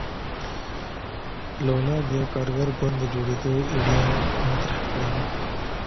لولا د یوه کارګر ګوند د جوړېدو ایډیا مطرح کړه.